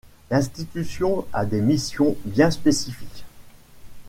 L'institution à des missions bien spécifiques.